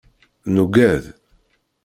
Nugad.